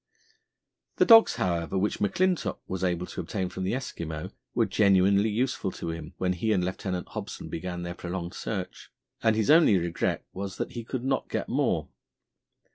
The dogs, however, which McClintock was able to obtain from the Eskimo were genuinely useful to him when he and Lieutenant Hobson began their prolonged search, and his only regret was that he could not get more.